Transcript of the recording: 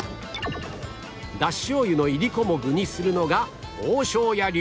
出汁しょう油のいりこも具にするのが大庄屋流